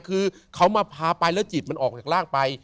คือเขามาพาไปแล้วจิตมันออกจากร่างไป